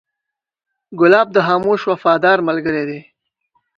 ګلاب د خاموش وفادار ملګری دی.